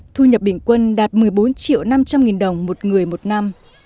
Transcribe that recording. thu nhập bình quân đạt một mươi bốn năm trăm linh đồng một người một năm